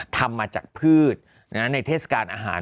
ทำมาจากพืชในเทศกาลอาหาร